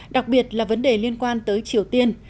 đặc biệt là vấn đề liên quan tới triều tiên